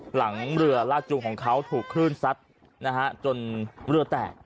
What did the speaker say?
หลังเรือลากจูงของเขาถูกคลื่นซัดนะฮะจนเรือแตก